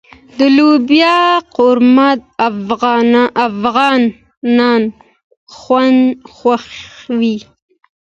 د لوبیا قورمه افغانان خوښوي.